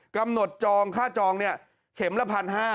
จองค่าจองเนี่ยเข็มละ๑๕๐๐